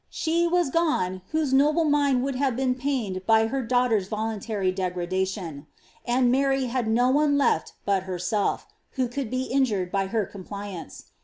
She was gone whose noble mind would have been pained by her daughter's voluntary degradation ; and Mary had no one left but her self, who could be injured by her compliance.